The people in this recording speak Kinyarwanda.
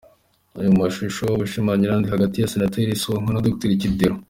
Mu mashusho: Ubushyamirane hagati ya Senateri Sonko na Dr Kidero.